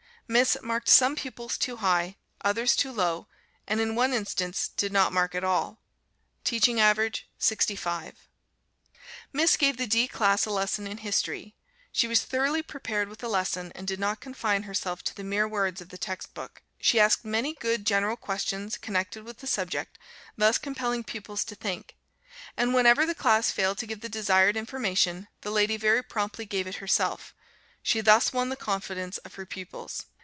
Miss marked some pupils too high, others too low, and in one instance did not mark at all. Teaching average 65. Miss gave the D class a lesson in History. She was thoroughly prepared with the lesson, and did not confine herself to the mere words of the text book. She asked many good general questions connected with the subject, thus compelling pupils to think; and whenever the class failed to give the desired information, the lady very promptly gave it herself; she thus won the confidence of her pupils.